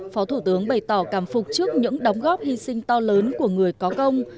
phó thủ tướng bày tỏ cảm phục trước những đóng góp hy sinh to lớn của người có công